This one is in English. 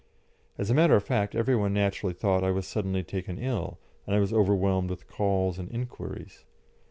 As a matter of fact, every one naturally thought I was taken suddenly ill, and I was overwhelmed with calls and inquiries.